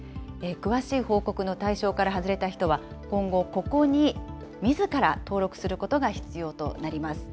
詳しい報告の対象から外れた人は、今後、ここにみずから登録することが必要となります。